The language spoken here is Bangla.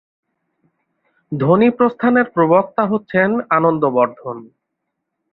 ধ্বনিপ্রস্থানের প্রবক্তা হচ্ছেন আনন্দবর্ধন।